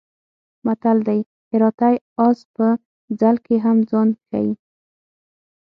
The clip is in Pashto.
متل دی: هراتی اس په ځل کې هم ځان ښي.